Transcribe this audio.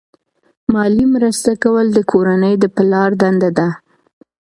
مالی مرسته کول د کورنۍ د پلار دنده ده.